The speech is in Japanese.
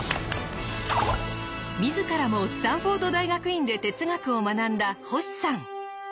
自らもスタンフォード大学院で哲学を学んだ星さん。